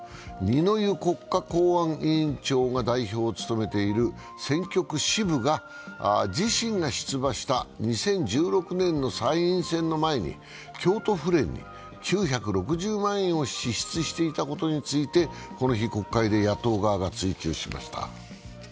二之湯国家公安委員長が代表を務めている選挙区支部が自身が出馬した２０１６年の参院選の前に京都府連に９６０万円を支出したことについてこの日、国会で野党側が追及しました。